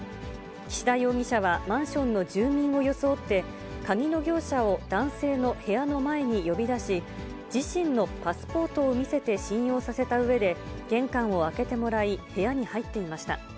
岸田容疑者はマンションの住民を装って、鍵の業者を男性の部屋の前に呼び出し、自身のパスポートを見せて信用させたうえで、玄関を開けてもらい、部屋に入っていました。